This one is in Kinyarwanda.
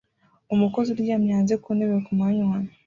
Umukozi uryamye hanze ku ntebe ku manywa